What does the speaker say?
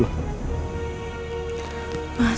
tapi kamu kembali pada